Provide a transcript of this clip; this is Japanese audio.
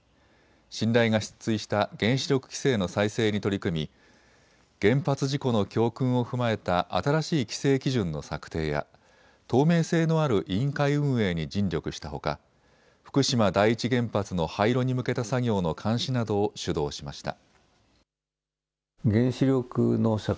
信頼が失墜した原子力規制の再生に取り組み原発事故の教訓を踏まえた新しい規制基準の策定や透明性のある委員会運営に尽力したほか福島第一原発の廃炉に向けた作業の監視などを主導しました。